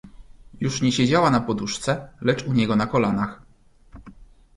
"Już nie siedziała na poduszce, lecz u niego na kolanach..."